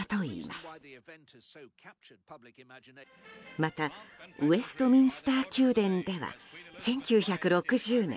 またウェストミンスター宮殿では１９６０年